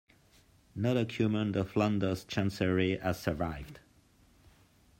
No document of Lando's chancery has survived.